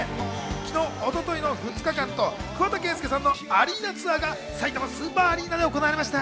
昨日、一昨日の２日間、桑田佳祐さんのアリーナツアーがさいたまスーパーアリーナで行われました。